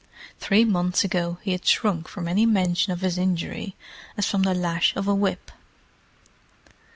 Three months ago he had shrunk from any mention of his injury as from the lash of a whip.